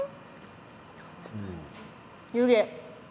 湯気。